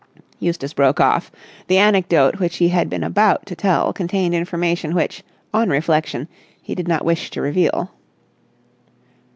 Eustace broke off. The anecdote which he had been about to tell contained information which, on reflection, he did not wish to reveal.